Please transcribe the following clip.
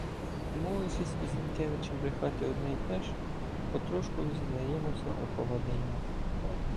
Умовившись із Зінкевичем брехати одне й те ж, потрошку "зізнаємося” про Холодний Яр.